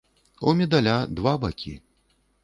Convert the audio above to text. У медаля два бакі.